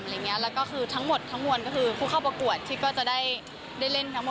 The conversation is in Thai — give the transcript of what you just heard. แล้วก็คือทั้งหมดออกคู่เข้าประกวดที่ก็จะได้เล่นทั้งหมด